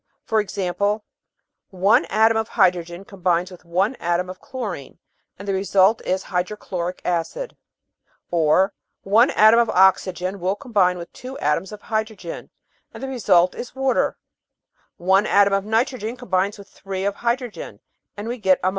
For example, one atom of hydrogen com bines with one atom of chlorine, and the result is hydrochloric acid ; or one atom of oxygen will combine with two atoms of hydrogen and the result is water ; one atom of nitrogen combines with three of hydrogen, and we get ammonia.